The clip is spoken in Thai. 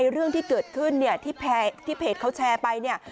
เรื่องที่เกิดขึ้นที่เพจเขาแชร์ไป